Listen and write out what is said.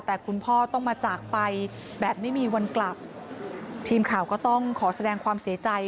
แต่คุณพ่อต้องมาจากไปแบบไม่มีวันกลับทีมข่าวก็ต้องขอแสดงความเสียใจ